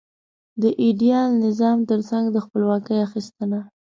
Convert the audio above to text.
د ایډیال نظام ترڅنګ د خپلواکۍ اخیستنه.